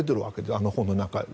あの本の中に。